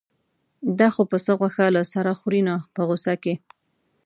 دا خو پسه غوښه له سره خوري نه په غوسه کې.